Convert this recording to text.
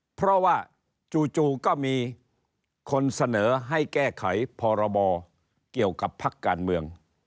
เพราะว่าจู่ก็มีคนเสนอให้แก้ไขพรบเกี่ยวกับพักการเมือง